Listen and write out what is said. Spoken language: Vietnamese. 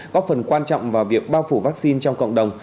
có phần quan trọng vào việc bao phủ vắc xin trong cộng đồng